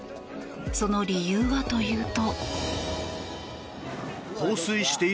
その理由はというと。